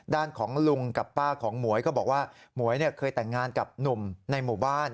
ด้านของลุงกับป้าของหมวยก็บอกว่าหมวยเคยแต่งงานกับหนุ่มในหมู่บ้าน